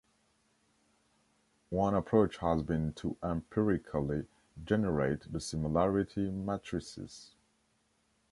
One approach has been to empirically generate the similarity matrices.